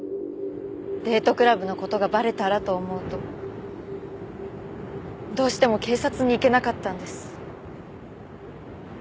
デートクラブの事がバレたらと思うとどうしても警察に行けなかったんです。